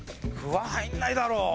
歩は入んないだろ。